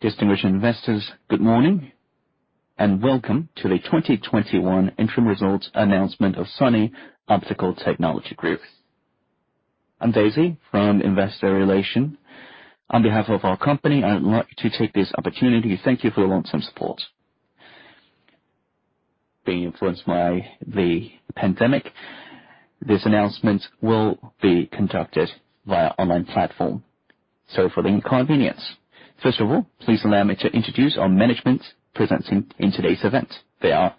Distinguished investors, good morning, and welcome to the 2021 interim results announcement of Sunny Optical Technology Group. I'm Daisy from Investor Relation. On behalf of our company, I would like to take this opportunity to thank you for your warm and support. Being influenced by the pandemic, this announcement will be conducted via online platform. Sorry for the inconvenience. First of all, please allow me to introduce our management presenting in today's event. They are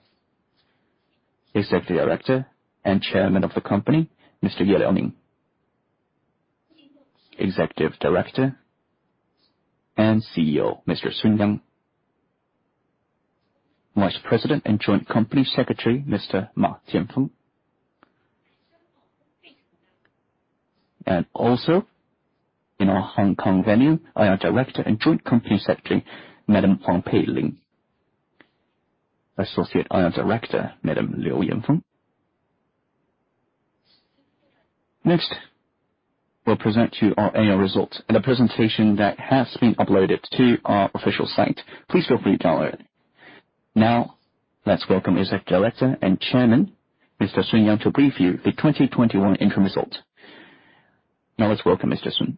Executive Director and Chairman of the company, Mr. Ye Liaoning. Executive Director and CEO, Mr. Sun Yang. Vice President and Joint Company Secretary, Mr. Ma Jianfeng. Also, in our Hong Kong venue, IR Director and Joint Company Secretary, Madam Wong Pui Ling. Associate IR Director, Madam Lui Yanfeng. We'll present to you our annual results in a presentation that has been uploaded to our official site. Please feel free to download. Let's welcome Executive Director and Chairman, Mr. Sun Yang, to brief you the 2021 interim results. Let's welcome Mr. Sun.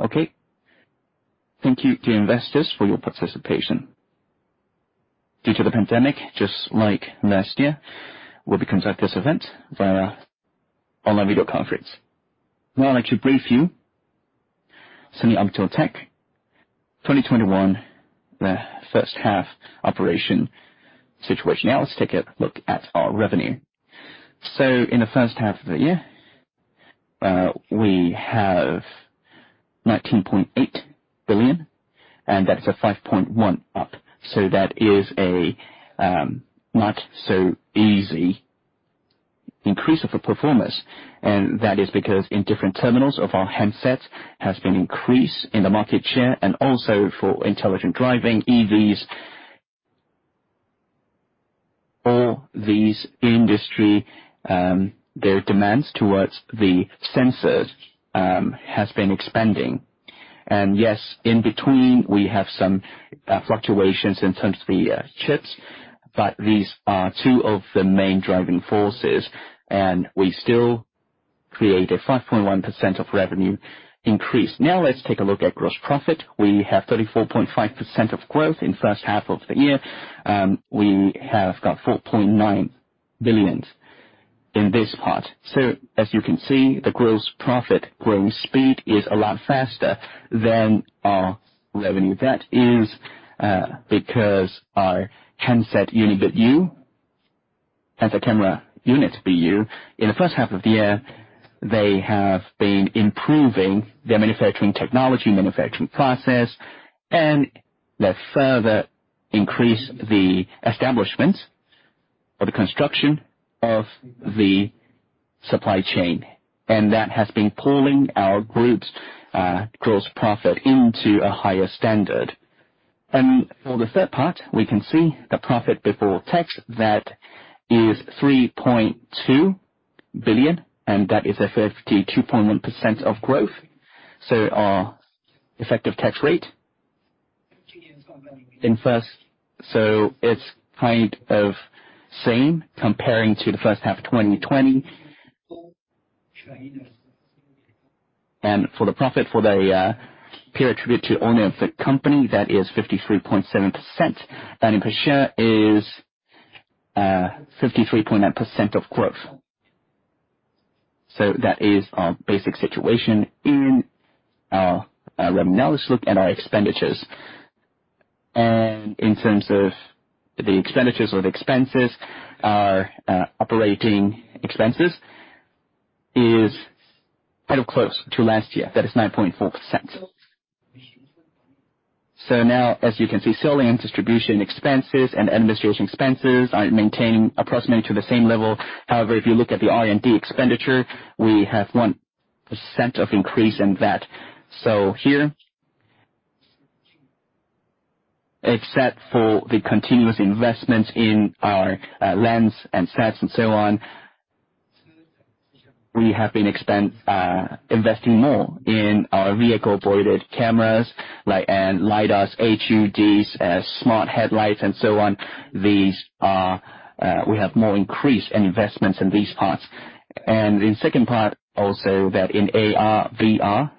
Okay. Thank you to investors for your participation. Due to the pandemic, just like last year, we'll be conduct this event via online video conference. I'd like to brief you Sunny Optical Tech 2021, the first half operation situation. Let's take a look at our revenue. In the first half of the year, we have 19.8 billion, and that is a 5.1% up. That is a not so easy increase of the performance, and that is because in different terminals of our handsets has been increase in the market share and also for intelligent driving EVs. All these industry, their demands towards the sensors has been expanding. Yes, in between we have some fluctuations in terms of the chips, but these are two of the main driving forces, and we still create a 5.1% of revenue increase. Let's take a look at gross profit. We have 34.5% of growth in first half of the year. We have got 4.9 billion in this part. As you can see, the gross profit growing speed is a lot faster than our revenue. That is because our handset unit, BU, and the camera unit, BU, in the first half of the year, they have been improving their manufacturing technology, manufacturing process, and they further increase the establishment or the construction of the supply chain. That has been pulling our group's gross profit into a higher standard. For the third part, we can see the profit before tax, that is $3.2 billion, and that is a 52.1% of growth. Our effective tax rate it's kind of same comparing to the first half of 2020. For the profit for the peer attribute to owner of the company, that is 53.7%. Earning per share is 53.9% of growth. That is our basic situation in our revenue. Now let's look at our expenditures. In terms of the expenditures or the expenses, our operating expenses is kind of close to last year. That is 9.4%. Now, as you can see, selling and distribution expenses and administration expenses are maintaining approximately to the same level. However, if you look at the R&D expenditure, we have 1% of increase in that. Here, except for the continuous investments in our lens and sets and so on, we have been investing more in our vehicle-boarded cameras and lidars, HUDs, smart headlights, and so on. We have more increase in investments in these parts. In second part also that in AR/VR,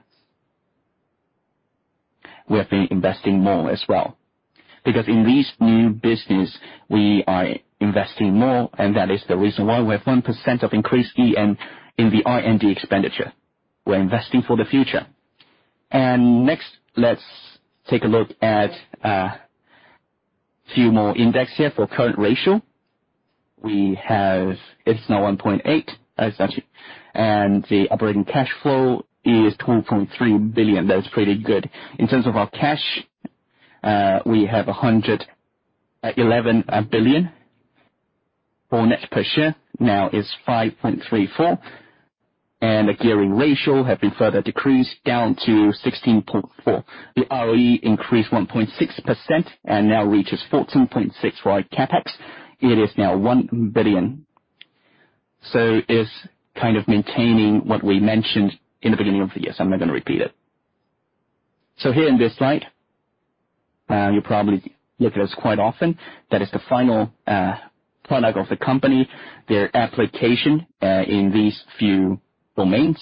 we have been investing more as well. In these new business, we are investing more, and that is the reason why we have 1% of increase in the R&D expenditure. We are investing for the future. Next, let's take a look at a few more index here. For current ratio, it's now 1.8. The operating cash flow is 2.3 billion. That's pretty good. In terms of our cash, we have 111 billion. Net per share now is 5.34, and the gearing ratio have been further decreased down to 16.4%. The ROE increased 1.6% and now reaches 14.6%. For our CapEx, it is now 1 billion. It's kind of maintaining what we mentioned in the beginning of the year, so I'm not going to repeat it. Here in this slide, you probably look at this quite often. That is the final product of the company, their application in these few domains.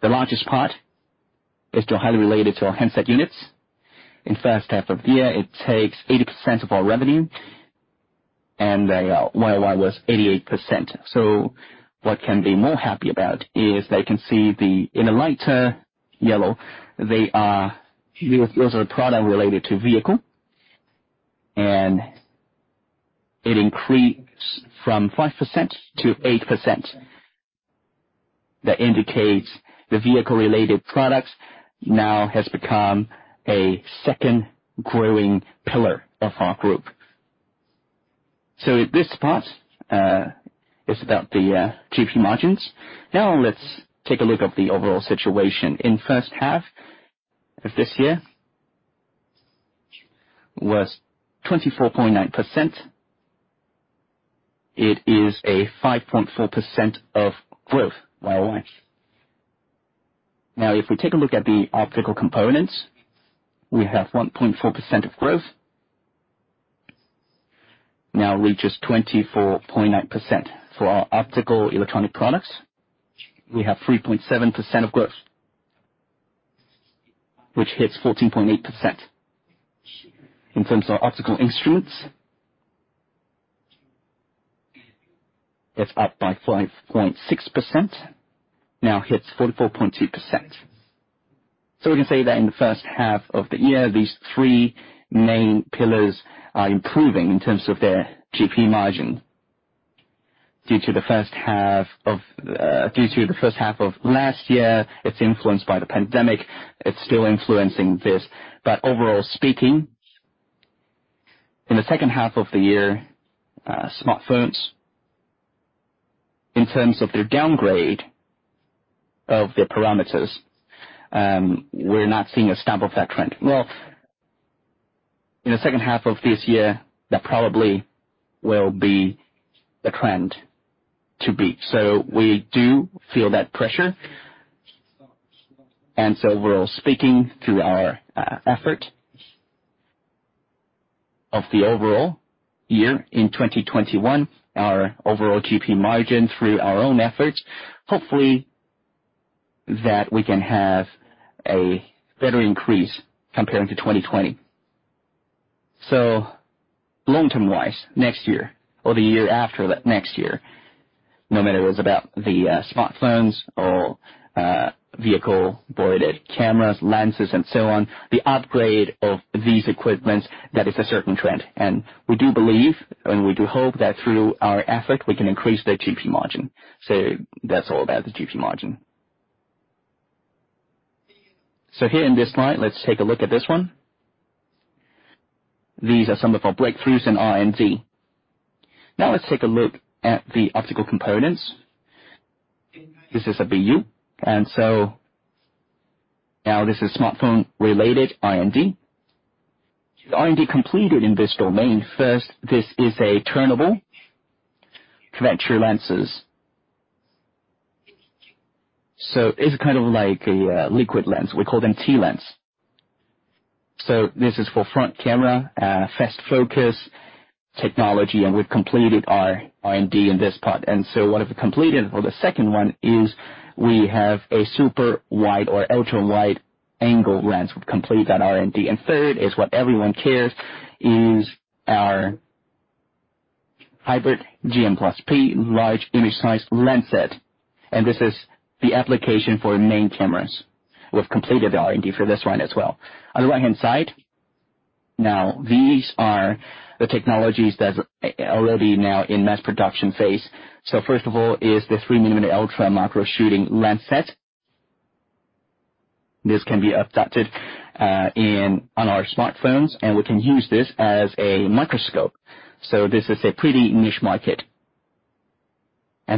The largest part is still highly related to our handset units. In first half of the year, it takes 80% of our revenue, and the YOY was 88%. What can be more happy about is they can see, in the lighter yellow, those are product related to vehicle, and it increased from 5% to 8%. That indicates the vehicle-related products now has become a second growing pillar of our group. This part is about the GP margins. Let's take a look at the overall situation. In the first half of this year was 24.9%. It is a 5.4% growth YOY. If we take a look at the Optical Components, we have 1.4% growth, now reaches 24.9%. For our Optoelectronic Products, we have 3.7% growth, which hits 14.8%. In terms of our Optical Instruments, it's up by 5.6%, now hits 44.2%. We can say that in the first half of the year, these three main pillars are improving in terms of their GP margin. Due to the first half of last year, it's influenced by the pandemic, it's still influencing this. Overall speaking, in the second half of the year, smartphones, in terms of their downgrade of their parameters, we're not seeing a stamp of that trend. Well, in the second half of this year, that probably will be the trend to beat. We do feel that pressure. Overall speaking, through our effort of the overall year in 2021, our overall GP margin through our own efforts, hopefully that we can have a better increase comparing to 2020. Long-term wise, next year or the year after that, next year, no matter it's about the smartphones or vehicle board cameras, lenses, and so on, the upgrade of these equipments, that is a certain trend. We do believe and we do hope that through our effort, we can increase the GP margin. That's all about the GP margin. Here in this slide, let's take a look at this one. These are some of our breakthroughs in R&D. Now let's take a look at the Optical Components. This is a BU. Now this is smartphone-related R&D. The R&D completed in this domain, first, this is a turnable conventional lenses. It's kind of like a liquid lens. We call them T-lens. This is for front camera, fast focus technology, and we've completed our R&D in this part. What have we completed for the second one is we have a super wide or ultra wide angle lens. We've completed that R&D. Third is what everyone cares, is our hybrid GM+P large image size lens set, this is the application for main cameras. We've completed the R&D for this one as well. On the right-hand side, these are the technologies that's already in mass production phase. First of all is the 3 mm ultra macro shooting lens set. This can be adapted on our smartphones, and we can use this as a microscope. This is a pretty niche market.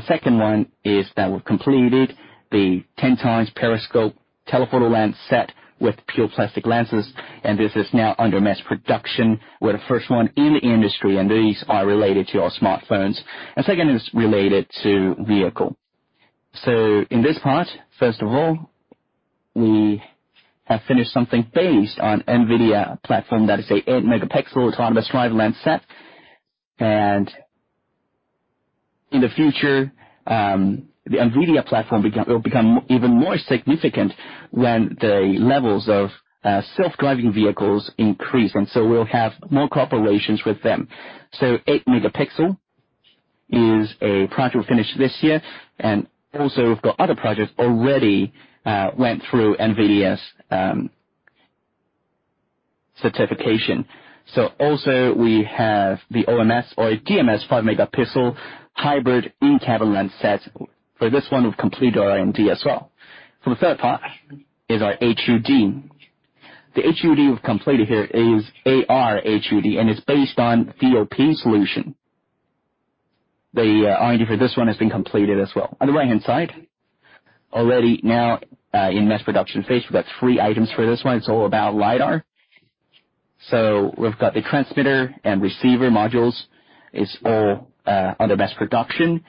Second one is that we've completed the 10x periscope telephoto lens set with pure plastic lenses, and this is now under mass production. We're the first one in the industry, and these are related to our smartphones. Second is related to vehicle. In this part, first of all, we have finished something based on NVIDIA platform that is a 8 MP autonomous drive lens set. In the future, the NVIDIA platform will become even more significant when the levels of self-driving vehicles increase. We'll have more cooperations with them. 8 MP is a project we finished this year, and also we've got other projects already went through NVIDIA's certification. Also we have the OMS or DMS 5MP hybrid in-cabin lens set. For this one, we've completed our R&D as well. For the third part is our HUD. The HUD we've completed here is AR-HUD, it's based on VOP solution. The R&D for this one has been completed as well. On the right-hand side, already now in mass production phase, we've got three items for this one. It's all about lidar. We've got the transmitter and receiver modules. It's all under mass production.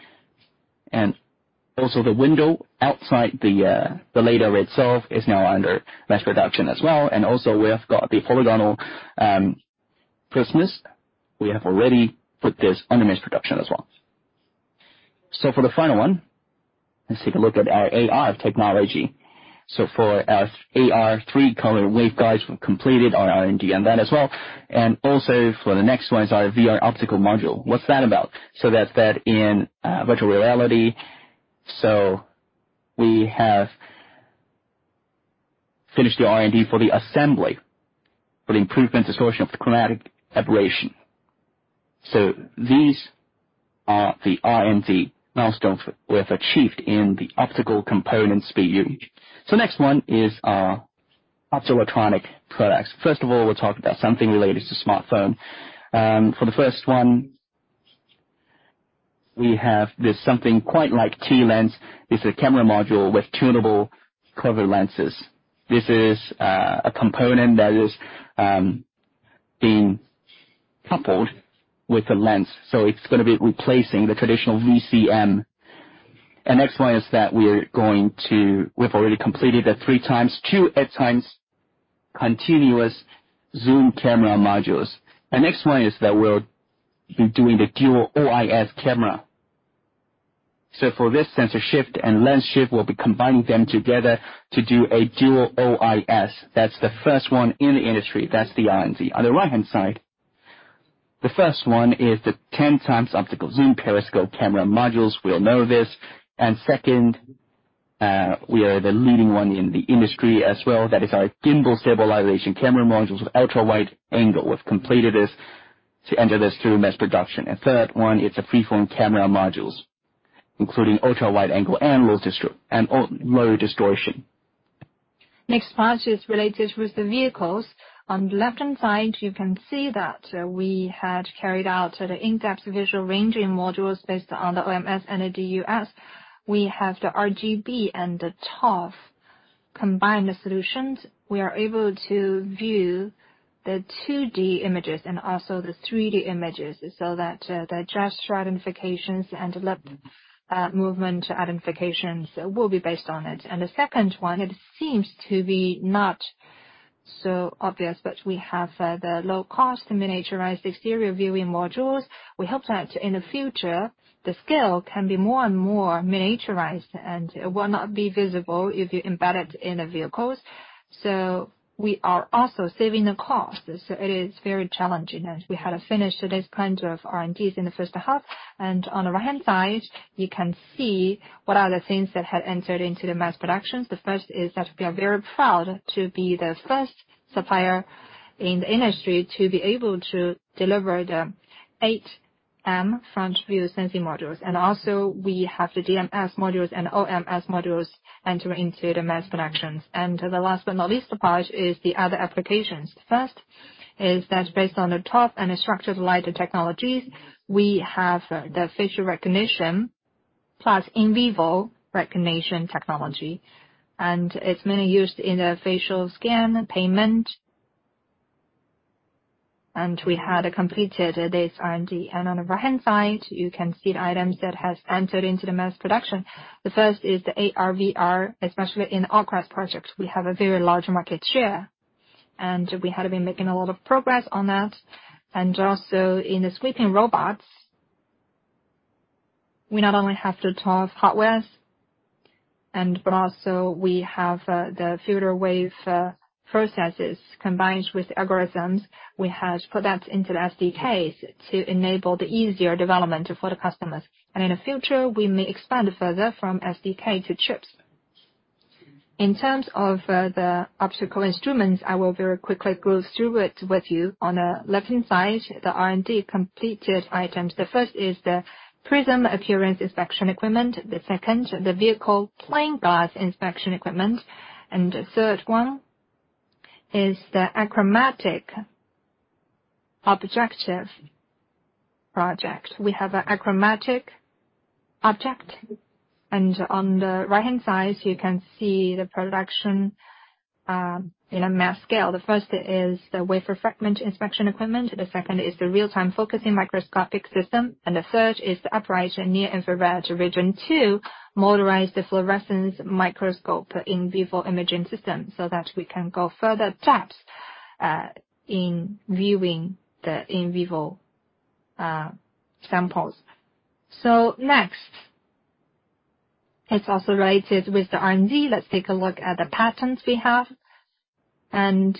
Also, the window outside the lidar itself is now under mass production as well. Also, we have got the polygonal prisms. We have already put this under mass production as well. For the final one, let's take a look at our AR technology. For our AR three-color waveguides, we've completed our R&D on that as well. Also, for the next one is our VR optical module. What's that about? That's that in virtual reality. We have finished the R&D for the assembly, for the improvement distortion of the chromatic aberration. These are the R&D milestones we have achieved in the Optical Components BU. Next one is our Optoelectronic Products. First of all, we're talking about something related to smartphone. For the first one, we have this something quite like T-lens. It's a camera module with tunable cover lenses. This is a component that is being coupled with the lens. It's going to be replacing the traditional VCM. Next one is that we've already completed the 3x, 2x continuous zoom camera modules. The next one is that we'll be doing the dual OIS camera. For this sensor shift and lens shift, we'll be combining them together to do a dual OIS. That's the first one in the industry. That's the R&D. On the right-hand side, the first one is the 10x optical zoom periscope camera modules. We all know this. Second, we are the leading one in the industry as well. That is our gimbal stabilization camera modules with ultra wide angle. We've completed this to enter this through mass production. Third one, it's a freeform camera modules, including ultra wide angle and low distortion. Next part is related with the vehicles. On the left-hand side, you can see that we had carried out the in-depth visual ranging modules based on the OMS and the DUS. We have the RGB and the ToF combined solutions. We are able to view the 2D images and also the 3D images, so that the gesture identifications and lip movement identifications will be based on it. The second one, it seems to be not so obvious, but we have the low cost miniaturized exterior viewing modules. We hope that in the future, the scale can be more and more miniaturized and will not be visible if you embed it in the vehicles. We are also saving the cost. It is very challenging as we had finished this kind of R&Ds in the first half. On the right-hand side, you can see what are the things that have entered into the mass productions. The first is that we are very proud to be the first supplier in the industry to be able to deliver the 8M front-view sensing modules. Also, we have the DMS modules and OMS modules enter into the mass productions. The last but not least part is the other applications. First, is that based on the ToF and structured light technologies, we have the facial recognition plus in vivo recognition technology, and it's mainly used in the facial scan payment. We had completed this R&D. On the right-hand side, you can see the items that has entered into the mass production. The first is the AR/VR, especially in the Oculus project. We have a very large market share, and we have been making a lot of progress on that. Also, in the sweeping robots, we not only have the ToF hardwares, but also we have the radar wave processes combined with algorithms. We have put that into the SDKs to enable the easier development for the customers. In the future, we may expand further from SDK to chips. In terms of the Optical Instruments, I will very quickly go through it with you. On the left-hand side, the R&D completed items. The first is the prism appearance inspection equipment. The second, the vehicle lens inspection equipment. The third one is the achromatic objective project. We have an achromatic objective. On the right-hand side, you can see the production in a mass scale. The first is the wafer fragment inspection equipment. The second is the real-time focusing microscopic system. The third is the upright near-infrared region two motorized fluorescence microscope in vivo imaging system, so that we can go further depths in viewing the in vivo samples. Next, it's also related with the R&D. Let's take a look at the patents we have. By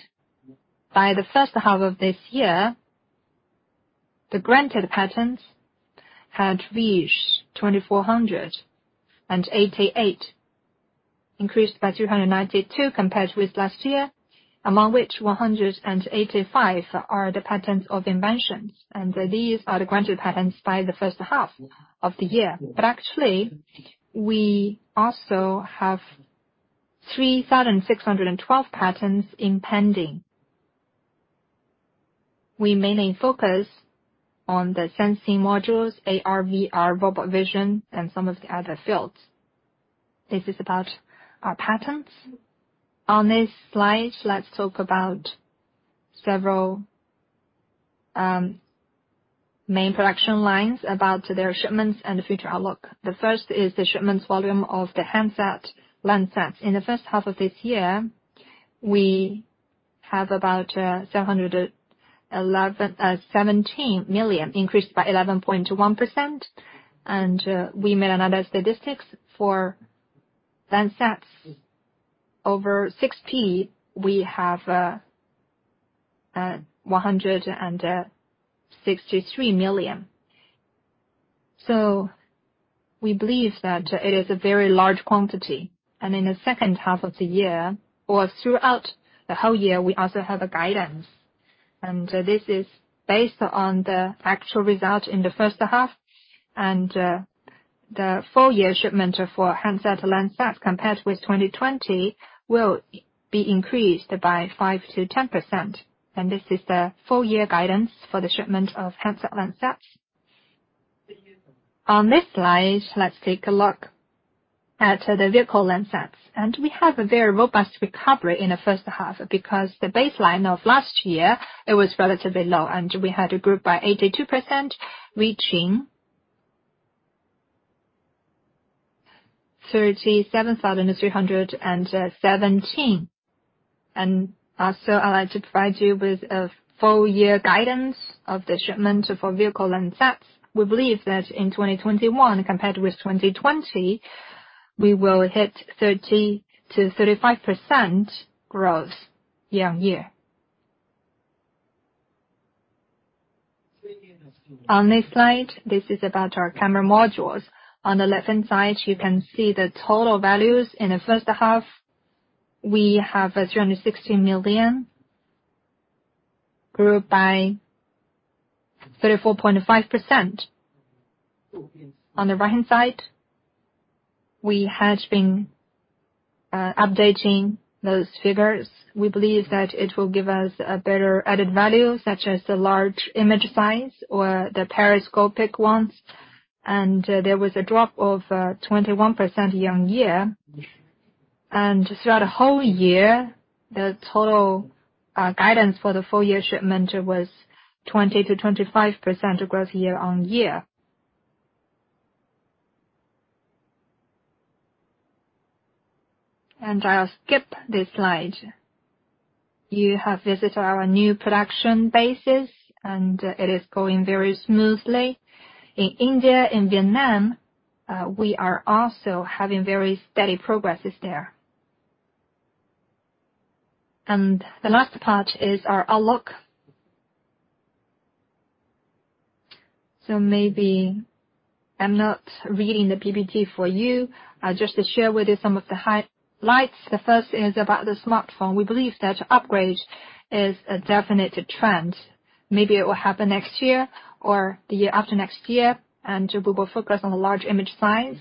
the first half of this year, the granted patents had reached 2,488, increased by 392 compared with last year. Among which 185 are the patents of inventions. These are the granted patents by the first half of the year. Actually, we also have 3,612 patents in pending. We mainly focus on the sensing modules, AR/VR, robot vision, and some of the other fields. This is about our patents. On this slide, let's talk about several main production lines, about their shipments and the future outlook. The first is the shipments volume of the handset lens sets. In the first half of this year, we have about 717 million, increased by 11.1%. We made another statistic for lens sets over 6P, we have 163 million. We believe that it is a very large quantity. In the second half of the year or throughout the whole year, we also have a guidance, and this is based on the actual result in the first half. The full year shipment for handset lens sets compared with 2020 will be increased by 5%-10%. This is the full year guidance for the shipment of handset lens sets. On this slide, let's take a look at the vehicle lens sets. We have a very robust recovery in the first half because the baseline of last year, it was relatively low, and we had a growth by 82%, reaching 37,317. I'd like to provide you with a full year guidance of the shipment for vehicle lens sets. We believe that in 2021, compared with 2020, we will hit 30%-35% growth year-on-year. On this slide, this is about our camera modules. On the left-hand side, you can see the total values. In the first half, we have CNY 360 million, grew by 34.5%. On the right-hand side, we had been updating those figures. We believe that it will give us a better added value, such as the large image size or the periscopic ones. There was a drop of 21% year-on-year. Throughout the whole year, the total guidance for the full year shipment was 20%-25% growth year-on-year. I'll skip this slide. You have visited our new production bases, and it is going very smoothly. In India and Vietnam, we are also having very steady progresses there. The last part is our outlook. Maybe I'm not reading the PPT for you. Just to share with you some of the highlights. The first is about the smartphone. We believe that upgrade is a definitive trend. Maybe it will happen next year or the year after next year, and we will focus on the large image size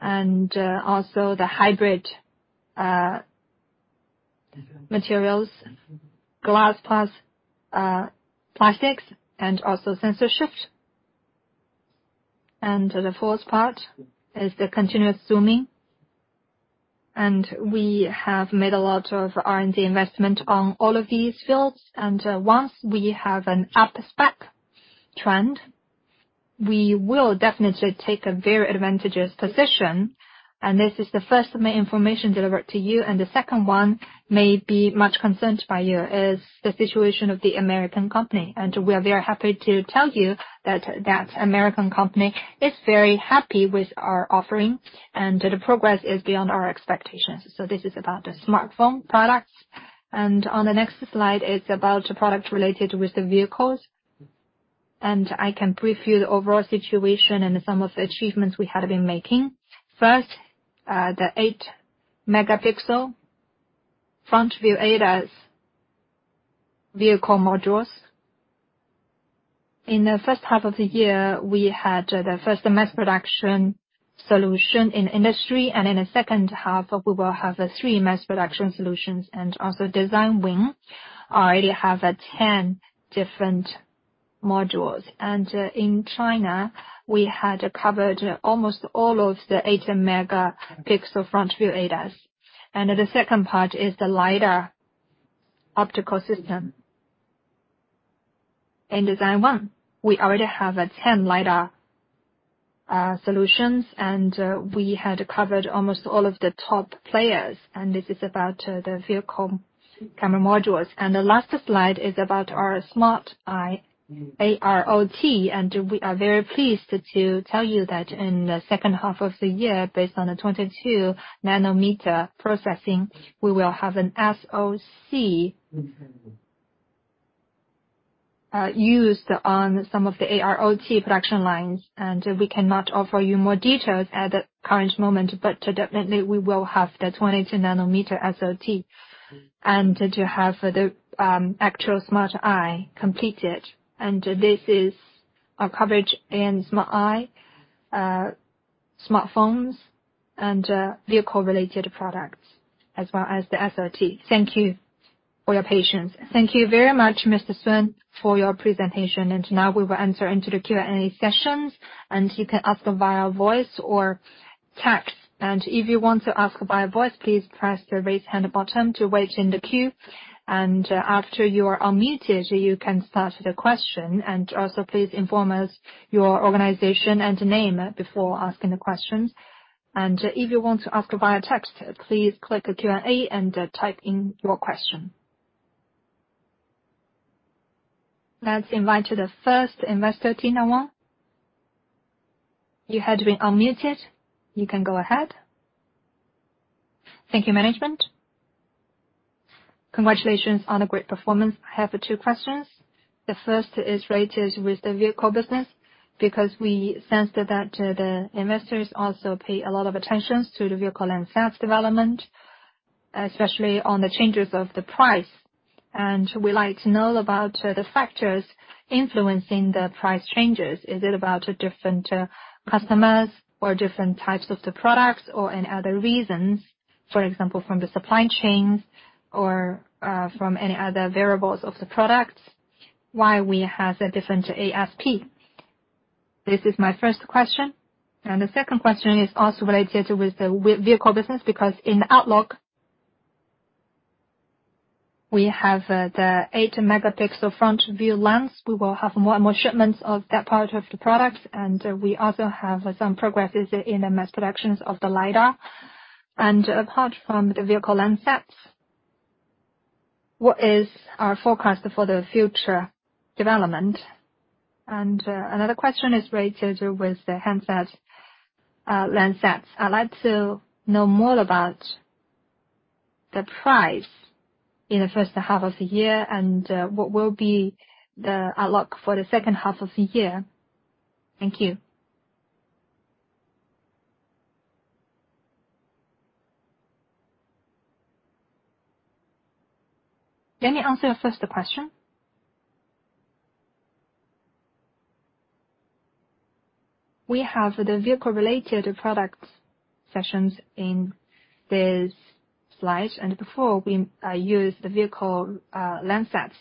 and also the hybrid materials, glass plus plastics, and also sensor shift. The fourth part is the continuous zooming. We have made a lot of R&D investment on all of these fields. Once we have an up-spec trend, we will definitely take a very advantageous position. This is the first main information delivered to you. The second one may be much concerned by you, is the situation of the American company. We are very happy to tell you that American company is very happy with our offering, and the progress is beyond our expectations. This is about the smartphone products. On the next slide is about products related with the vehicles. I can preview the overall situation and some of the achievements we have been making. First, the 8 MP front-view ADAS vehicle modules. In the first half of the year, we had the first mass production solution in industry, and in the second half, we will have three mass production solutions, and also design win already have 10 different modules. In China, we had covered almost all of the 8 MP front-view ADAS. The second part is the lidar optical system. In design win, we already have 10 lidar solutions. We had covered almost all of the top players. This is about the vehicle camera modules. The last slide is about our Smart Eye AIoT. We are very pleased to tell you that in the second half of the year, based on a 22 nm processing, we will have an SoC used on some of the AIoT production lines. We cannot offer you more details at the current moment. Definitely, we will have the 22 nm SoC. To have the actual Smart Eye completed. This is our coverage in Smart Eye, smartphones, and vehicle-related products as well as the SRT. Thank you for your patience. Thank you very much, Mr. Sun, for your presentation. Now we will enter into the Q&A sessions. You can ask via voice or text. If you want to ask via voice, please press the raise hand button to wait in the queue. After you are unmuted, you can start the question. Also please inform us your organization and name before asking the questions. If you want to ask via text, please click Q&A and type in your question. Let's invite the first investor, Tina Wong. You have been unmuted. You can go ahead. Thank you, management. Congratulations on a great performance. I have two questions. The first is related to the vehicle business because we sensed that the investors also pay a lot of attention to the vehicle and SaaS development, especially on the changes of the price. We like to know about the factors influencing the price changes. Is it about different customers or different types of the products or and other reasons, for example, from the supply chains or from any other variables of the products, why we have a different ASP? This is my first question. The second question is also related with the vehicle business because in the outlook we have the 8 MP front view lens. We will have more and more shipments of that part of the product, and we also have some progresses in the mass productions of the lidar. Apart from the vehicle lens sets, what is our forecast for the future development? Another question is related with the handset lens sets. I'd like to know more about the price in the first half of the year and what will be the outlook for the second half of the year. Thank you. Let me answer your first question. We have the vehicle-related product sessions in this slide, and before we use the vehicle lens sets.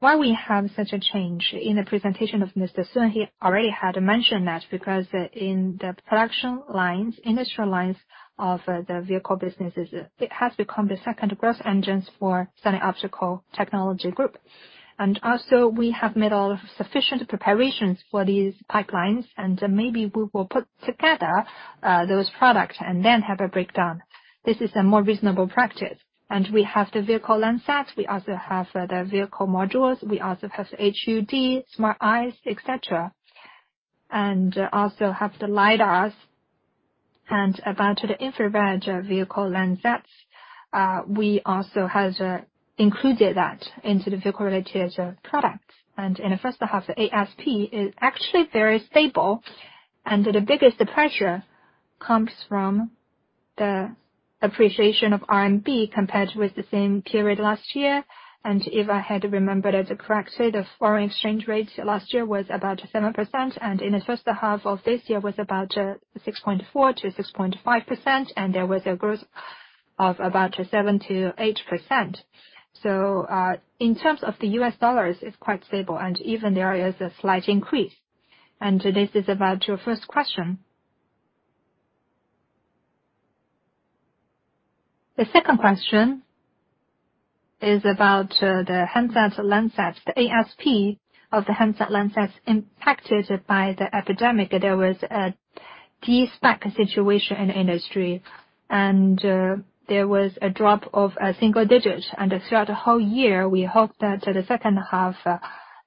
Why we have such a change? In the presentation of Mr. Sun, he already had mentioned that because in the production lines, industrial lines of the vehicle businesses, it has become the second growth engines for Sunny Optical Technology. Also we have made all sufficient preparations for these pipelines, and maybe we will put together those products and then have a breakdown. This is a more reasonable practice. We have the vehicle lens sets, we also have the vehicle modules, we also have HUD, Smart Eye, et cetera, and also have the lidars. About the infrared vehicle lens sets, we also have included that into the vehicle-related products. In the first half, the ASP is actually very stable, and the biggest pressure comes from the appreciation of RMB compared with the same period last year. If I had remembered the correct rate of foreign exchange rates, last year was about 7%, and in the first half of this year was about 6.4%-6.5%, and there was a growth of about 7%-8%. In terms of the US dollars, it's quite stable, and even there is a slight increase. This is about your first question. The second question is about the handset lens sets. The ASP of the handset lens sets impacted by the epidemic. There was a de-SPAC situation in the industry, there was a drop of a single digit. Throughout the whole year, we hope that the second half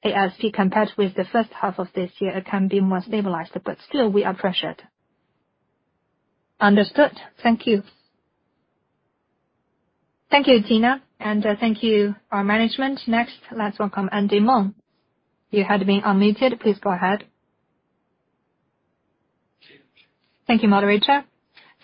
ASP, compared with the first half of this year, it can be more stabilized, but still we are pressured. Understood. Thank you. Thank you, Tina, and thank you, our management. Next, let's welcome Andy Meng. You have been unmuted. Please go ahead. Thank you, moderator.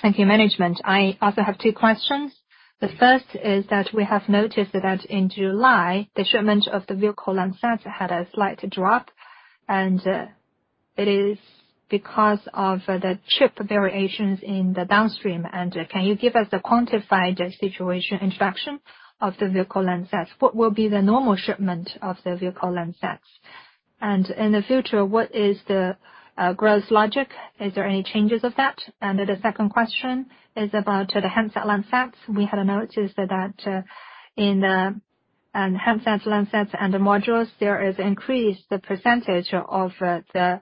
Thank you, management. I also have two questions. The first is that we have noticed that in July, the shipment of the vehicle lens sets had a slight drop, it is because of the chip variations in the downstream. Can you give us a quantified situation introduction of the vehicle lens sets? What will be the normal shipment of the vehicle lens sets? In the future, what is the growth logic? Is there any changes of that? The second question is about the handset lens sets. We had a notice that in the handset lens sets and the modules, there is increased percentage of the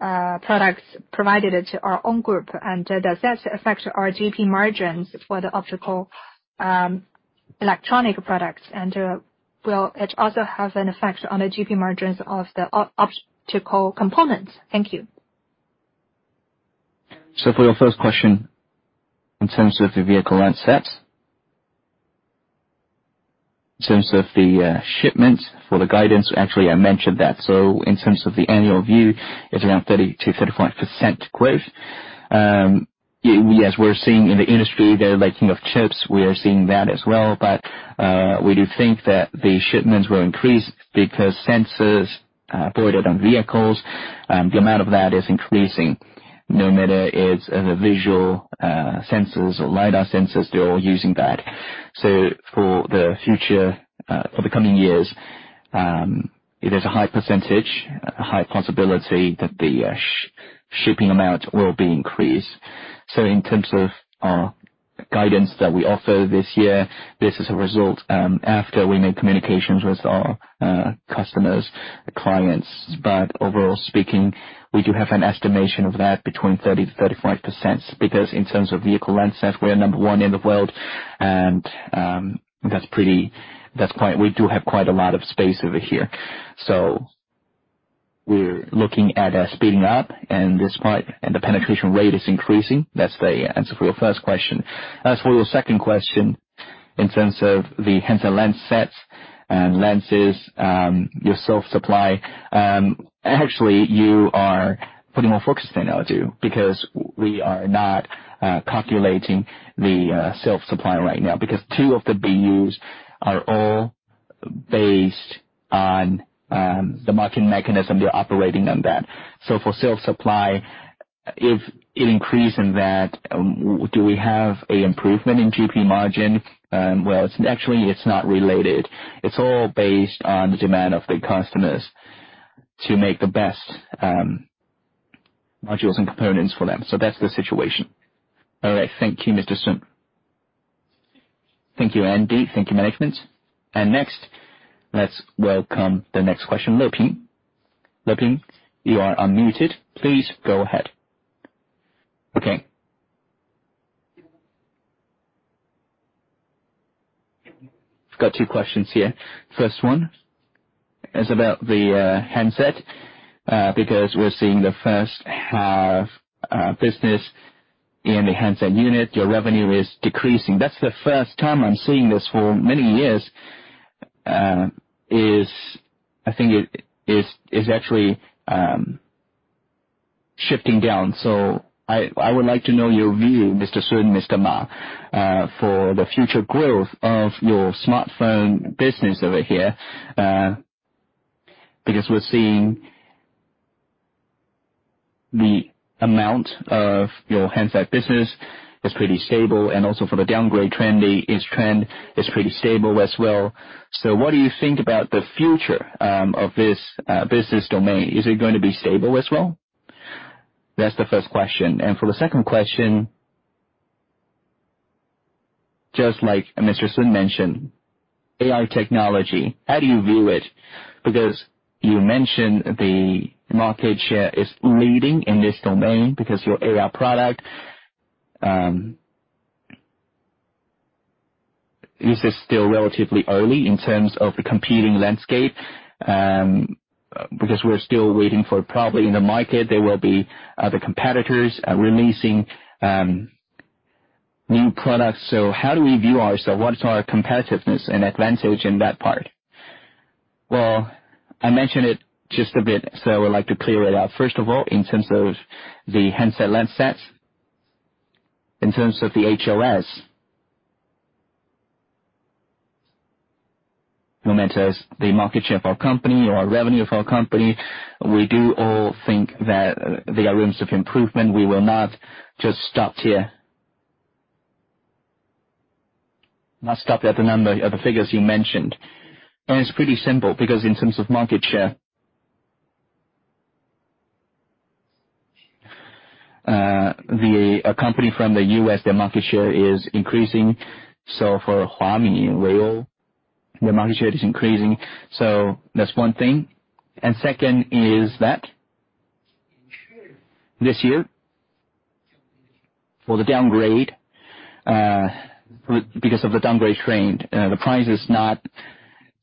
products provided to our own group. Does that affect our GP margins for the Optoelectronic Products? Will it also have an effect on the GP margins of the Optical Components? Thank you. For your first question, in terms of the vehicle lens sets. In terms of the shipment for the guidance, actually, I mentioned that. In terms of the annual view, it's around 30%-35% growth. Yes, we're seeing in the industry the lacking of chips. We are seeing that as well. We do think that the shipments will increase because sensors boarded on vehicles, the amount of that is increasing. No matter it's the visual sensors or lidar sensors, they're all using that. For the coming years, it is a high percentage, a high possibility that the shipping amount will be increased. In terms of our guidance that we offer this year, this is a result after we made communications with our customers, clients. Overall speaking, we do have an estimation of that between 30%-35%, because in terms of vehicle lens sets, we are number one in the world, and we do have quite a lot of space over here. We're looking at speeding up and the penetration rate is increasing. That's the answer for your first question. As for your second question, in terms of the handset lens sets and lenses, your self-supply, actually, you are putting more focus than I do. We are not calculating the self-supply right now because two of the BUs are all based on the market mechanism. They're operating on that. For self-supply, if it increase in that, do we have a improvement in GP margin? Well, actually, it's not related. It's all based on the demand of the customers to make the best modules and components for them. That's the situation. All right. Thank you, Mr. Sun. Thank you, Andy. Thank you, management. Next, let's welcome the next question. Lu Ping. Lu Ping, you are unmuted. Please go ahead. Okay. I've got two questions here. First one is about the handset. We're seeing the first half business in the handset unit, your revenue is decreasing. That's the first time I'm seeing this for many years, I think it is actually shifting down. I would like to know your view, Mr. Sun, Mr. Ma, for the future growth of your smartphone business over here, because we're seeing the amount of your handset business is pretty stable, and also for the downgrade trend, its trend is pretty stable as well. What do you think about the future of this business domain? Is it going to be stable as well? That's the first question. For the second question, just like Mr. Sun mentioned, AI technology, how do you view it? You mentioned the market share is leading in this domain because your AI product. Is it still relatively early in terms of the competing landscape? We're still waiting for probably in the market, there will be other competitors releasing new products. How do we view ourself? What is our competitiveness and advantage in that part? Well, I mentioned it just a bit, so I would like to clear it out. First of all, in terms of the handset lens sets, in terms of the HOS, no matter the market share of our company or revenue of our company, we do all think that there are rooms of improvement. We will not just stop here. Not stop at the number of the figures you mentioned. It's pretty simple, because in terms of market share, a company from the U.S., their market share is increasing. For [Huawei and Leo], their market share is increasing. Second is that this year, because of the downgrade trend, the price is not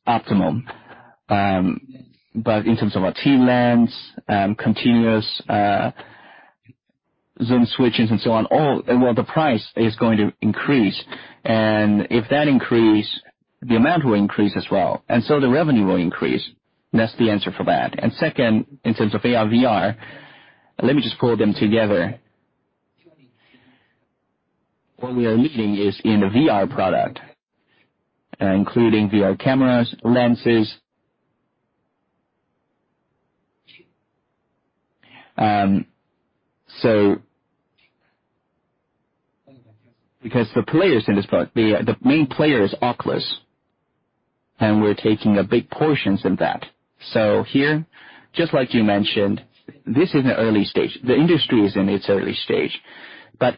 optimum. In terms of our T-lens, continuous zoom switches and so on, the price is going to increase. If that increase, the amount will increase as well. The revenue will increase. That's the answer for that. Second, in terms of AR/VR, let me just pull them together. What we are leading is in the VR product, including VR cameras, lenses. Because the main player is Oculus, and we're taking a big portion of that. Here, just like you mentioned, this is in the early stage. The industry is in its early stage.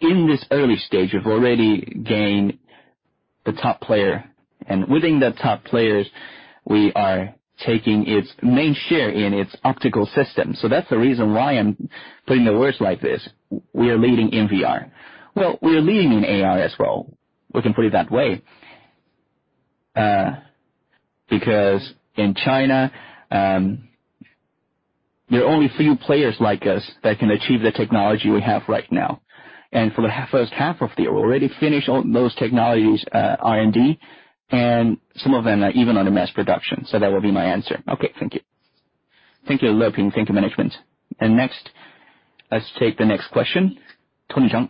In this early stage, we've already gained the top player. Within the top players, we are taking its main share in its optical system. That's the reason why I'm putting the words like this. We are leading in VR. Well, we are leading in AR as well. We can put it that way. In China, there are only few players like us that can achieve the technology we have right now. For the first half of the year, we already finished all those technologies' R&D, and some of them are even under mass production. That will be my answer. Okay. Thank you. Thank you, Lu Ping. Thank you, management. Next, let's take the next question. Tony Zhang.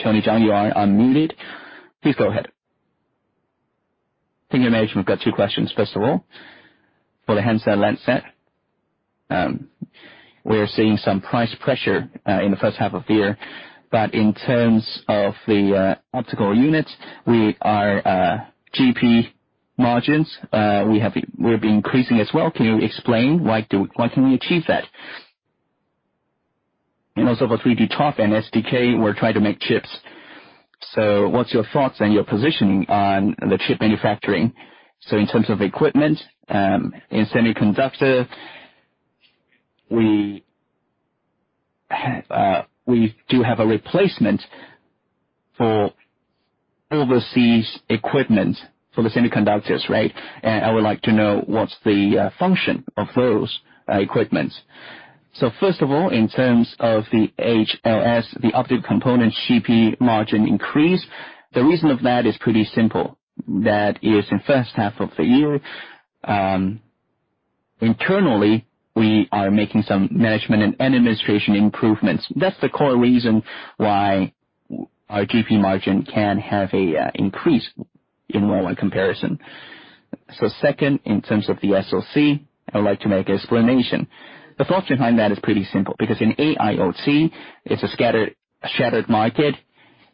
Tony Zhang, you are unmuted. Please go ahead. Thank you, management. I've got two questions. For the handset lens set, we're seeing some price pressure in the first half of the year. In terms of the optical unit, our GP margins, we'll be increasing as well. Can you explain why can we achieve that? Also, for 3D ToF and SDK, we're trying to make chips. What's your thoughts and your positioning on the chip manufacturing? In terms of equipment, in semiconductor, we do have a replacement for overseas equipment for the semiconductors, right? I would like to know what's the function of those equipments. First of all, in terms of the HLS, the optical component GP margin increase, the reason of that is pretty simple. That is in the first half of the year, internally, we are making some management and administration improvements. That's the core reason why our GP margin can have an increase in year-over-year comparison. Second, in terms of the SoC, I would like to make explanation. The thought behind that is pretty simple, because in AIoT, it's a shattered market.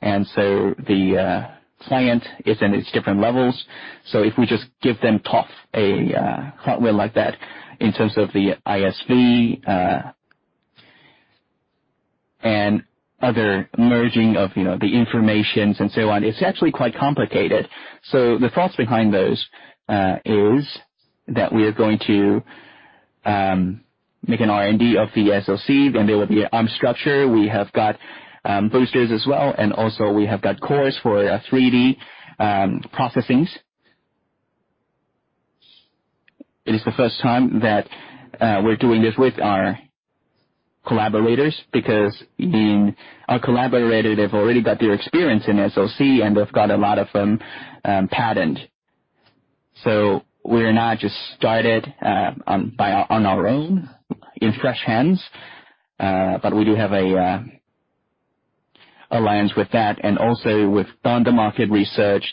The client is in its different levels. If we just give them ToF, a hardware like that, in terms of the ISV, and other merging of the information and so on, it's actually quite complicated. The thoughts behind those is that we are going to make an R&D of the SoC, and there will be an ARM structure. We have got boosters as well, and also we have got cores for 3D processing. It is the first time that we're doing this with our collaborators, because our collaborator, they've already got their experience in SoC, and they've got a lot of them patterned. We're not just started on our own in fresh hands. We do have alliance with that, and also we've done the market research,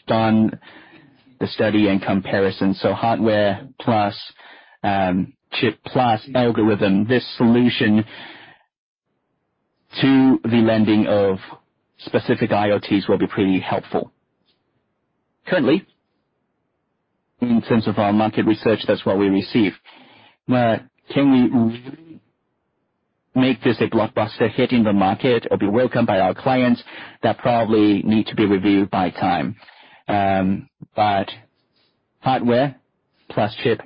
done the study and comparison. Hardware plus chip plus algorithm, this solution to the lending of specific IoTs will be pretty helpful. Currently, in terms of our market research, that's what we receive. Can we really make this a blockbuster hit in the market or be welcome by our clients? That probably need to be reviewed by time. Hardware plus chip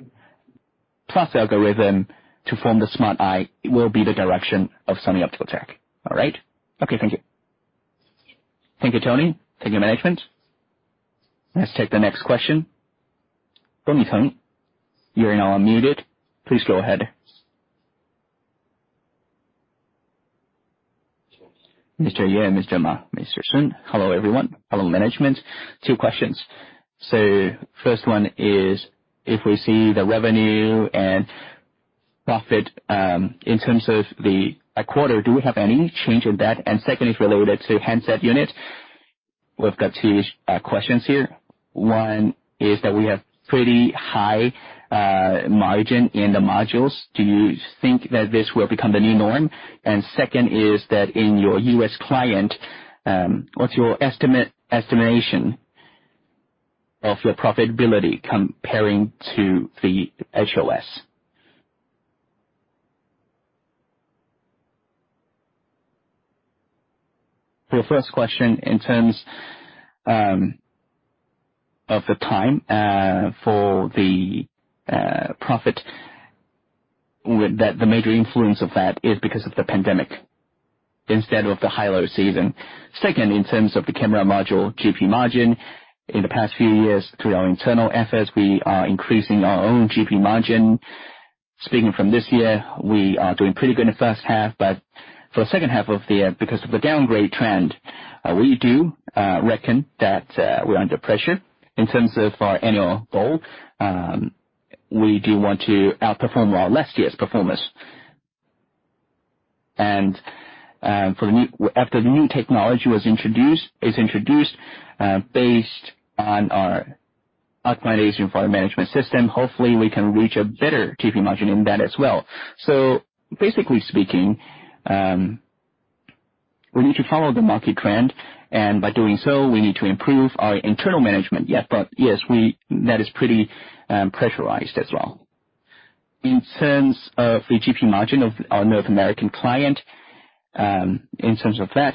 plus algorithm to form the Smart Eye will be the direction of Sunny Optical Tech. All right? Okay. Thank you. Thank you, Tony. Thank you, management. Let's take the next question. Tommy Tang, you are now unmuted. Please go ahead. Mr. Ye, Mr. Ma, Mr. Sun, hello, everyone. Hello, management. Two questions. First one is, if we see the revenue and profit, in terms of a quarter, do we have any change in that? Second is related to handset unit. We've got two questions here. One is that we have pretty high margin in the modules. Do you think that this will become the new norm? Second is that in your U.S. client, what's your estimation of your profitability comparing to the HLS? For the first question, in terms of the time for the profit, the major influence of that is because of the pandemic instead of the high-low season. Second, in terms of the camera module GP margin, in the past few years, through our internal efforts, we are increasing our own GP margin. Speaking from this year, we are doing pretty good in the first half, but for the second half of the year, because of the downgrade trend, we do reckon that we're under pressure. In terms of our annual goal, we do want to outperform our last year's performance. After the new technology is introduced, based on our optimization for our management system, hopefully we can reach a better GP margin in that as well. Basically speaking, we need to follow the market trend, by doing so, we need to improve our internal management. Yes, that is pretty pressurized as well. In terms of the GP margin of our North American client, in terms of that,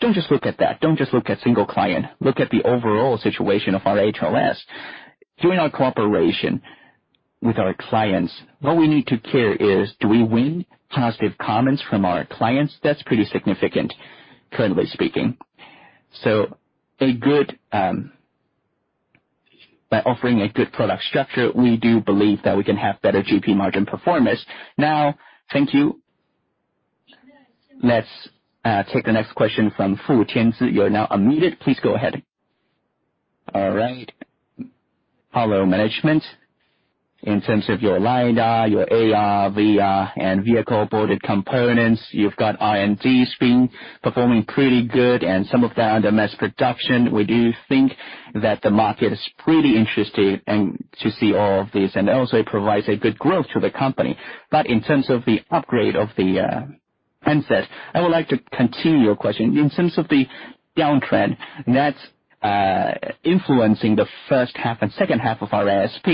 don't just look at that. Don't just look at single client. Look at the overall situation of our HLS. During our cooperation with our clients, what we need to care is, do we win positive comments from our clients? That's pretty significant, currently speaking. By offering a good product structure, we do believe that we can have better GP margin performance. Now, thank you. Let's take the next question from Fu Tianzi. You're now unmuted. Please go ahead. All right. Hello, management. In terms of your lidar, your AR, VR, and vehicle boarded components, you've got R&D performing pretty good and some of that under mass production. We do think that the market is pretty interested to see all of this, and also it provides a good growth to the company. In terms of the upgrade of the handset, I would like to continue your question. In terms of the downtrend, that's influencing the first half and second half of our ASP.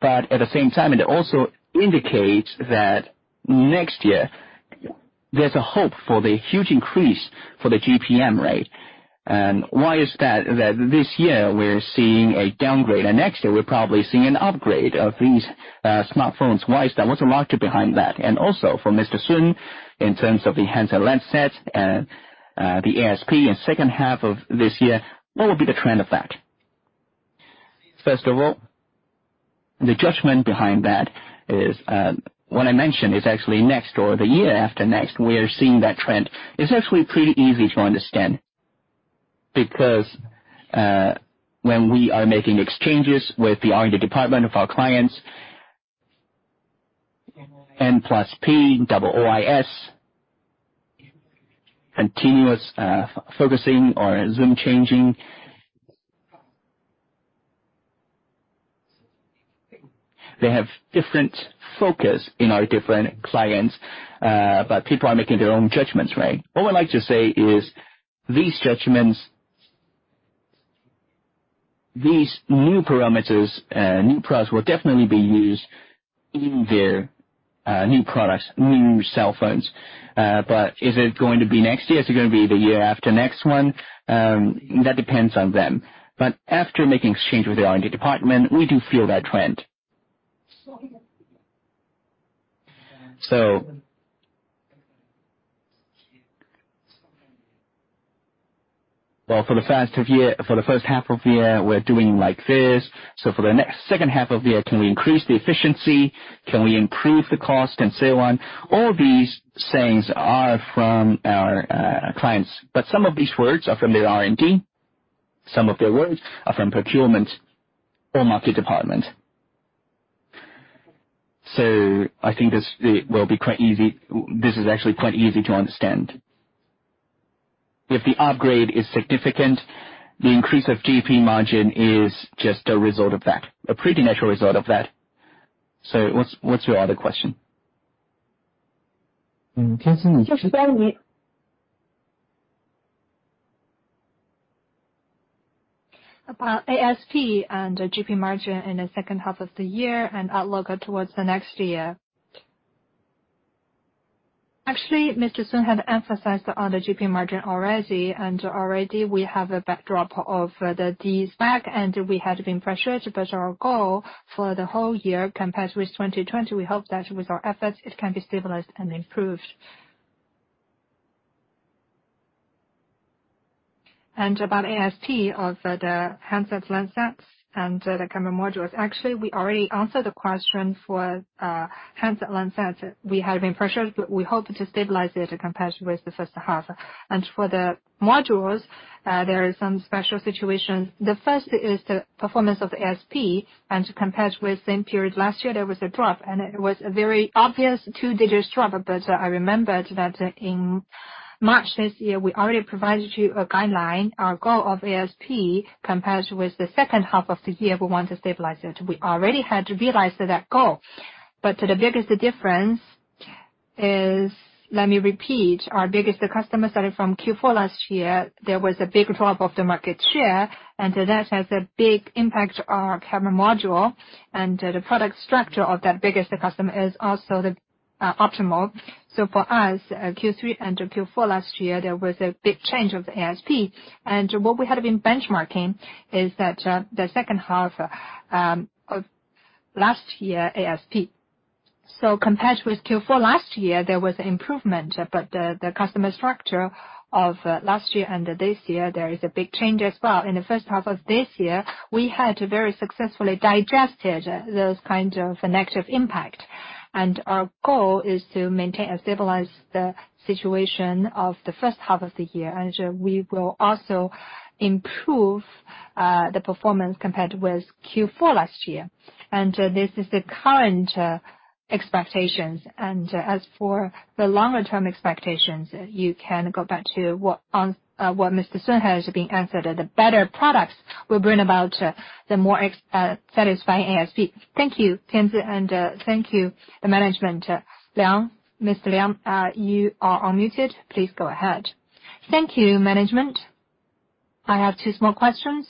At the same time, it also indicates that next year there's a hope for the huge increase for the GPM rate. Why is that this year we're seeing a downgrade, and next year we're probably seeing an upgrade of these smartphones? Why is that? What's the logic behind that? Also for Mr. Sun, in terms of the handset lens sets and the ASP in second half of this year, what will be the trend of that? First of all, the judgment behind that is, what I mentioned is actually next or the year after next, we are seeing that trend. It's actually pretty easy to understand. When we are making exchanges with the R&D department of our clients, NplusP, double OIS, continuous focusing or zoom changing, they have different focus in our different clients, but people are making their own judgments, right? What I'd like to say is these judgments, these new parameters, new products, will definitely be used in their new products, new cell phones. Is it going to be next year? Is it going to be the year after next one? That depends on them. After making exchange with the R&D department, we do feel that trend. Well, for the first half of year, we're doing like this. For the next second half of year, can we increase the efficiency? Can we improve the cost and so on? All these sayings are from our clients. Some of these words are from the R&D. Some of their words are from procurement or market department. I think this is actually quite easy to understand. If the upgrade is significant, the increase of GP margin is just a result of that, a pretty natural result of that. What's your other question? About ASP and the GP margin in the second half of the year and outlook towards the next year. Actually, Mr. Sun had emphasized on the GP margin already. Already we have a backdrop of the de-SPAC. We had been pressured. Our goal for the whole year compared with 2020, we hope that with our efforts, it can be stabilized and improved. About ASP of the handset lens sets and the camera modules. Actually, we already answered the question for handset lens sets. We had been pressured, but we hope to stabilize it compared with the first half. For the modules, there is some special situations. The first is the performance of ASP. Compared with same period last year, there was a drop. It was a very obvious two-digit drop. I remembered that in March this year, we already provided you a guideline. Our goal of ASP, compared with the second half of this year, we want to stabilize it. We already had realized that goal. The biggest difference is, let me repeat, our biggest customer started from Q4 last year. There was a big drop of the market share, and that has a big impact on our camera module, and the product structure of that biggest customer is also the optimal. For us, Q3 and Q4 last year, there was a big change of the ASP. What we had been benchmarking is that the second half of last year ASP. Compared with Q4 last year, there was improvement. The customer structure of last year and this year, there is a big change as well. In the first half of this year, we had very successfully digested those kinds of negative impact. Our goal is to maintain a stabilized situation of the first half of the year. We will also improve the performance compared with Q4 last year. This is the current expectations. As for the longer term expectations, you can go back to what Mr. Sun has been answered. The better products will bring about the more satisfying ASP. Thank you, Tianzi, and thank you, management. Liang, Mr. Liang, you are unmuted. Please go ahead. Thank you, management. I have two small questions.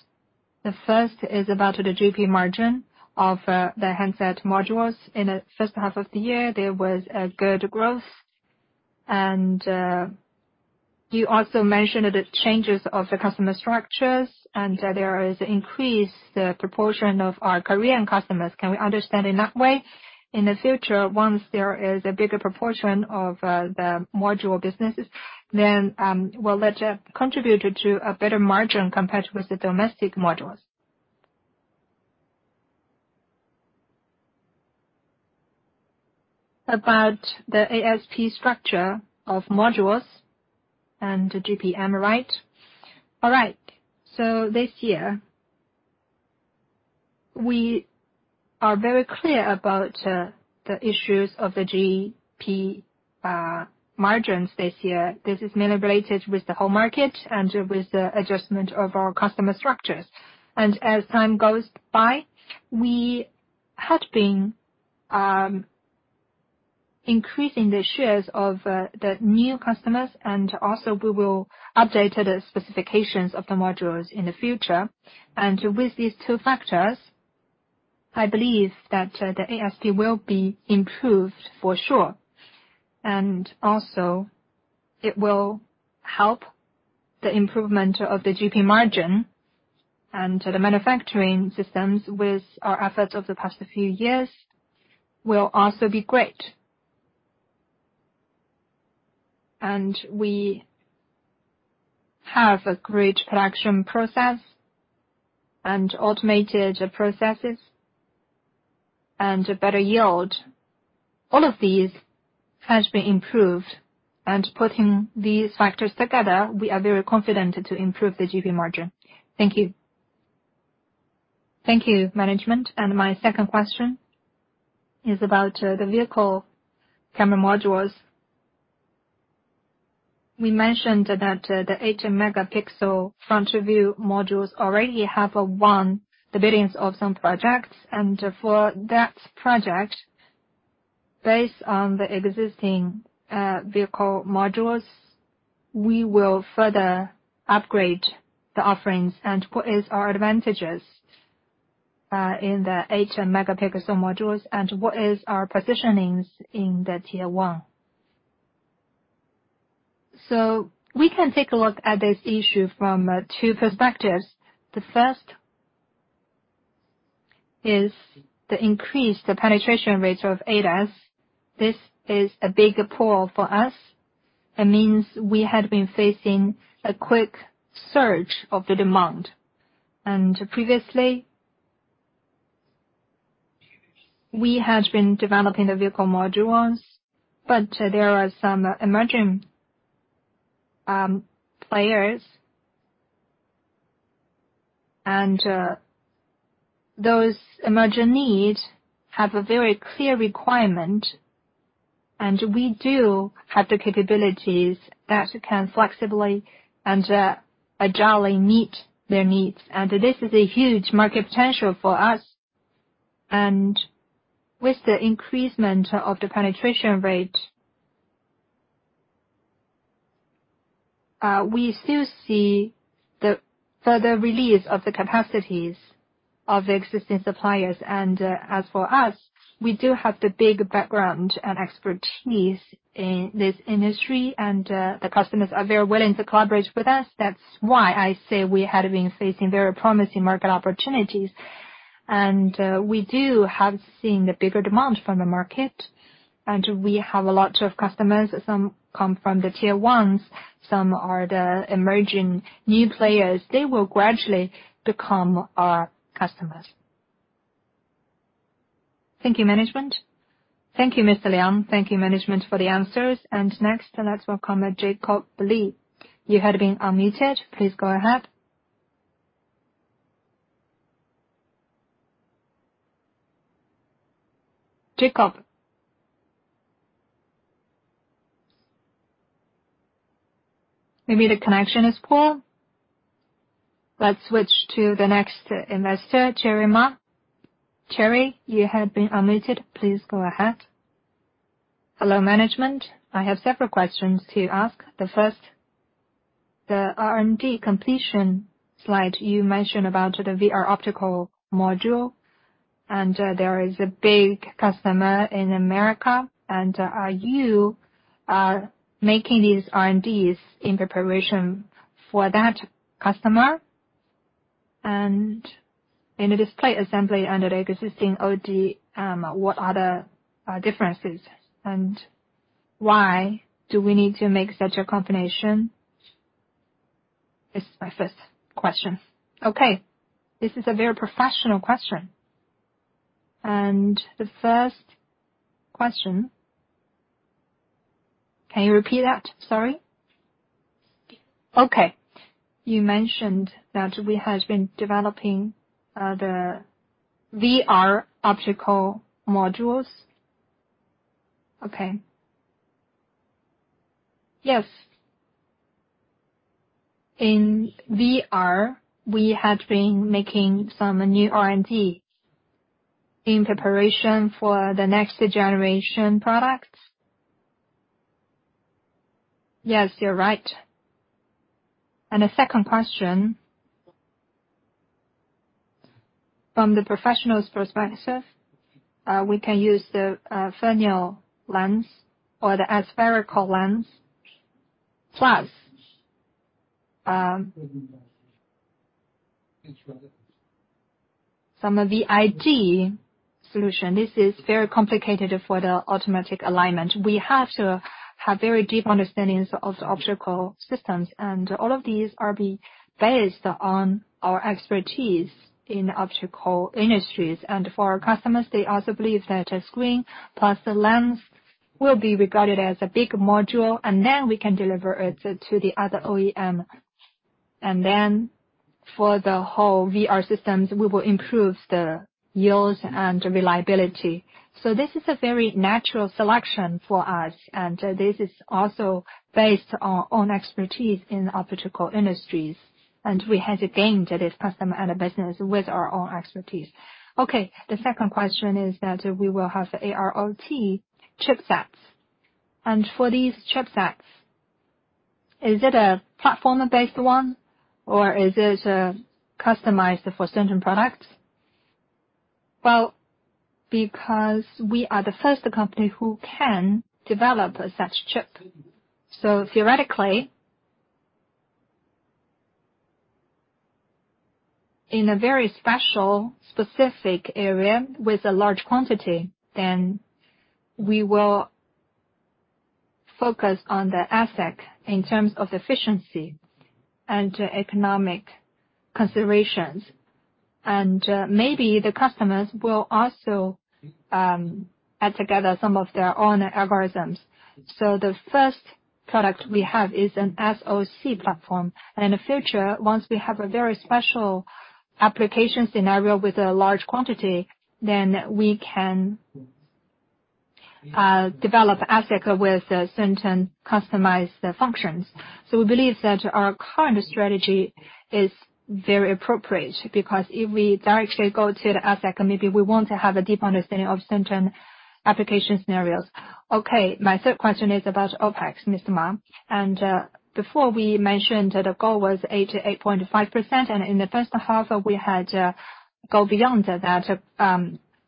The first is about the GP margin of the handset modules. In the first half of the year, there was a good growth. You also mentioned the changes of the customer structures, and there is increased proportion of our Korean customers. Can we understand in that way? In the future, once there is a bigger proportion of the module businesses, will that contribute to a better margin compared with the domestic modules? About the ASP structure of modules and GPM, right? All right. This year, we are very clear about the issues of the GP margins this year. This is mainly related with the whole market and with the adjustment of our customer structures. As time goes by, we had been increasing the shares of the new customers, also we will update the specifications of the modules in the future. With these two factors, I believe that the ASP will be improved for sure, also it will help the improvement of the GP margin. The manufacturing systems with our efforts over the past few years will also be great. We have a great production process and automated processes and a better yield. All of these has been improved. Putting these factors together, we are very confident to improve the GP margin. Thank you. Thank you, management. My second question is about the vehicle camera modules. We mentioned that the 8 MP front view modules already have won the biddings of some projects. For that project, based on the existing vehicle modules, we will further upgrade the offerings. What is our advantages in the 8 MP modules, and what is our positionings in the tier one? We can take a look at this issue from two perspectives. The first is the increase the penetration rates of ADAS. This is a big pull for us. It means we had been facing a quick surge of the demand. Previously, we had been developing the vehicle modules. There are some emerging players, and those emerging need have a very clear requirement, and we do have the capabilities that can flexibly and agilely meet their needs. This is a huge market potential for us. With the increasement of the penetration rate, we still see the further release of the capacities of existing suppliers. As for us, we do have the big background and expertise in this industry, and the customers are very willing to collaborate with us. That's why I say we had been facing very promising market opportunities. We do have seen a bigger demand from the market. We have a lot of customers. Some come from the tier ones, some are the emerging new players. They will gradually become our customers. Thank you, management. Thank you, Mr. Liang. Thank you, management for the answers. Next, let's welcome Jacob Lee. You have been unmuted. Please go ahead. Jacob? Maybe the connection is poor. Let's switch to the next investor, Cherry Ma. Cherry, you have been unmuted. Please go ahead. Hello, management. I have several questions to ask. The first, the R&D completion slide, you mentioned about the VR optical module, and there is a big customer in America. Are you making these R&Ds in preparation for that customer? In the display assembly and the existing OD, what are the differences, and why do we need to make such a combination? This is my first question. Okay. This is a very professional question. The first question, can you repeat that? Sorry. Okay. You mentioned that we have been developing the VR optical modules. Okay. Yes. In VR, we have been making some new R&D in preparation for the next generation products. Yes, you're right. The second question, from the professional's perspective, we can use the Fresnel lens or the aspherical lens, plus some of the IG solution. This is very complicated for the automatic alignment. We have to have very deep understandings of the optical systems, and all of these are based on our expertise in optical industries. For our customers, they also believe that a screen plus the lens will be regarded as a big module, we can deliver it to the other OEM. For the whole VR systems, we will improve the yields and reliability. This is a very natural selection for us, and this is also based on our own expertise in optical industries. We had gained this custom and business with our own expertise. Okay. The second question is that we will have AR/VR chipsets. For these chipsets, is it a platform-based one or is it customized for certain products? Well, because we are the first company who can develop such chip, so theoretically, in a very special, specific area with a large quantity, then we will focus on the ASIC in terms of efficiency and economic considerations. Maybe the customers will also add together some of their own algorithms. The first product we have is an SoC platform. In the future, once we have a very special application scenario with a large quantity, then we can develop ASIC with certain customized functions. We believe that our current strategy is very appropriate because if we directly go to the ASIC, maybe we want to have a deep understanding of certain application scenarios. Okay. My third question is about OpEx, Mr. Ma. And before we mentioned that the goal was 8%-8.5%, and in the first half, we had go beyond that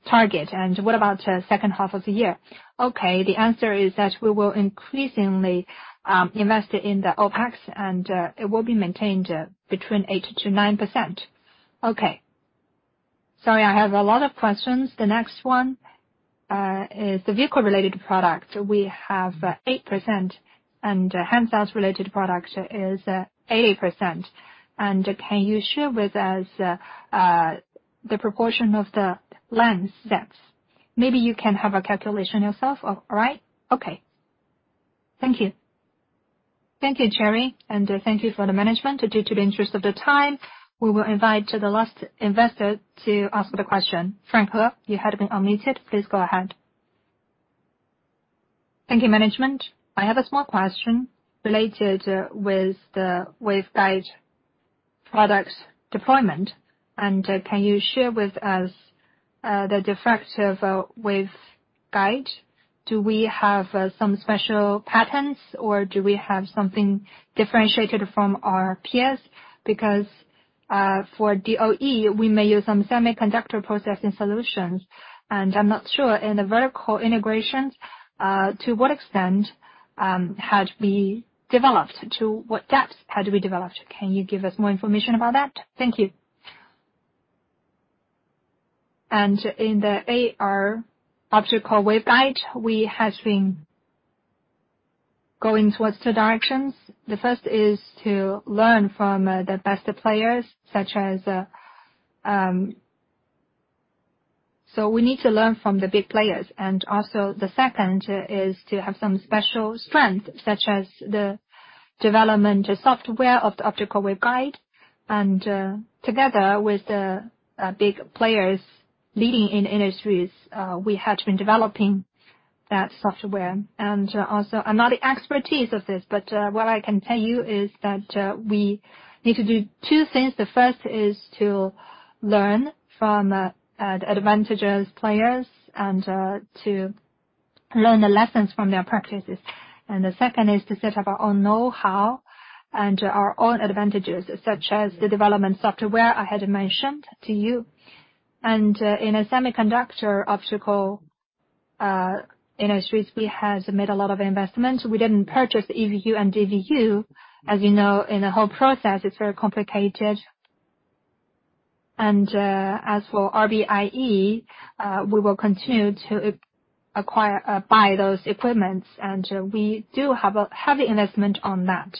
target. And what about second half of the year? Okay. The answer is that we will increasingly invest in the OpEx and it will be maintained between 8%-9%. Okay. Sorry, I have a lot of questions. The next one is the vehicle-related products. We have 8% and handset related products is 8%. Can you share with us the proportion of the lens sets? Maybe you can have a calculation yourself. All right? Okay. Thank you. Thank you, Cherry, and thank you for the management. Due to the interest of time, we will invite the last investor to ask the question. Frank Hua, you have been unmuted. Please go ahead. Thank you, management. I have a small question related with the waveguide product deployment. Can you share with us the difference of waveguide? Do we have some special patents or do we have something differentiated from our peers? Because for DOE, we may use some semiconductor processing solutions. I am not sure in the vertical integrations, to what extent had we developed? To what depths had we developed? Can you give us more information about that? Thank you. In the AR optical waveguide, we have been going towards two directions. The first is to learn from the best players. We need to learn from the big players. The second is to have some special strength, such as the development of software of the optical waveguide. Together with the big players leading in industries, we had been developing that software. Also, I'm not the expertise of this, but what I can tell you is that we need to do two things. The first is to learn from the advantageous players and to learn the lessons from their practices. The second is to set up our own knowhow and our own advantages, such as the development software I had mentioned to you. In a semiconductor optical industries, we have made a lot of investments. We didn't purchase EUV and DUV. As you know, in the whole process, it's very complicated. As for RVIE, we will continue to buy those equipments, and we do have a heavy investment on that.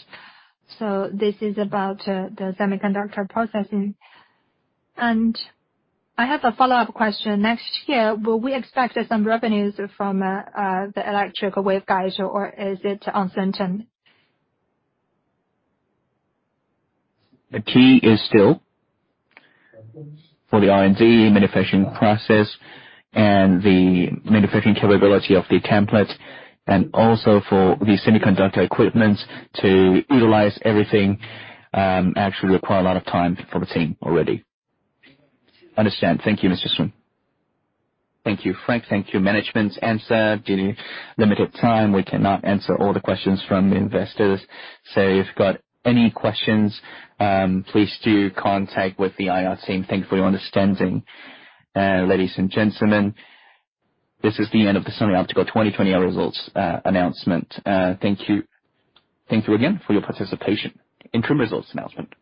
This is about the semiconductor processing. I have a follow-up question. Next year, will we expect some revenues from the optical waveguides or is it uncertain? The key is still for the R&D manufacturing process and the manufacturing capability of the template, and also for the semiconductor equipment to utilize everything, actually require a lot of time for the team already. Understand. Thank you, Mr. Sun. Thank you, Frank. Thank you, management. Due to limited time, we cannot answer all the questions from the investors. If you've got any questions, please do contact with the IR team. Thanks for your understanding. Ladies and gentlemen, this is the end of the Sunny Optical 2020 results announcement. Thank you. Thank you again for your participation. Interim results announcement.